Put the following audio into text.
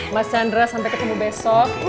mas chandra sampai ketemu besok